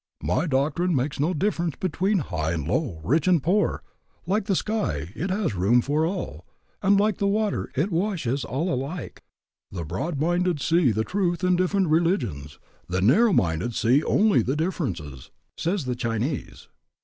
"My doctrine makes no difference between high and low, rich and poor; like the sky, it has room for all, and like the water, it washes all alike." "The broad minded see the truth in different religions; the narrow minded see only the differences," says the Chinese.